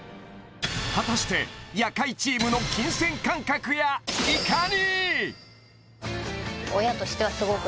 果たして夜会チームの金銭感覚やいかに？